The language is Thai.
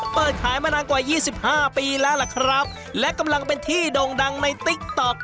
เปิดขายมานานกว่า๒๕ปีแล้วแหละครับและกำลังเป็นที่ดงดังในบิคโต๊ะ